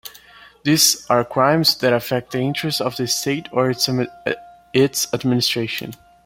These are crimes that affect the interests of the state or its administration.